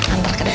antar ke depan